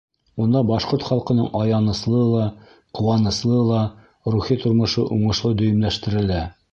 Унда башҡорт халҡының аяныслы ла, ҡыуаныслы ла рухи тормошо уңышлы дөйөмләштерелә.